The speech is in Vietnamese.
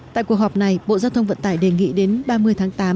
tại cuộc họp này bộ giao thông vận tải đề nghị đến ba mươi tháng tám